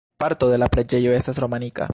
Parto de la preĝejo estas romanika.